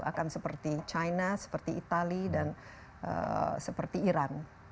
akan seperti china seperti itali dan seperti iran